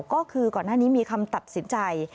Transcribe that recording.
ก็คือก่อนหน้านี้มีคำตัดสินใจ